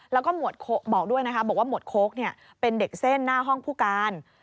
แล้วก็บอกด้วยนะคะบอกว่าหมวดโค้กเป็นเด็กเส้นหน้าห้องผู้การ